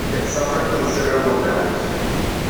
It suffered considerable damage.